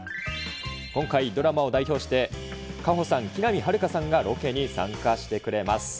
今回、ドラマを代表して、夏帆さん、木南晴夏さんがロケに参加してくれます。